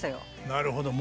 なるほど。